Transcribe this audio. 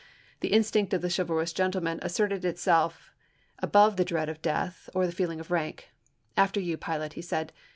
The instinct of the chivalrous gentleman as serted itself above the dread of death or the feel ing of rank. "After you, pilot," he said.